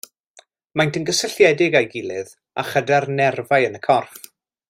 Maent yn gysylltiedig â'i gilydd a chyda'r nerfau yn y corff.